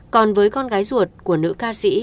còn với con gái ruột của nữ ca sĩ